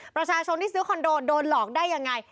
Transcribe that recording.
ประชาชนที่ซื้อคอนโดโดนหลอกได้ยังไง